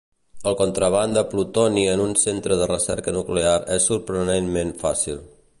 El contraban de plutoni en un centre de recerca nuclear és sorprenentment fàcil.